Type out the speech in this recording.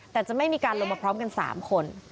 แต่จะไม่มีการลงมาพร้อมกัน๓คน